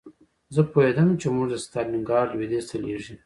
زه پوهېدم چې موږ د ستالینګراډ لویدیځ ته لېږي